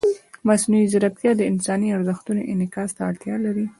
مصنوعي ځیرکتیا د انساني ارزښتونو انعکاس ته اړتیا لري.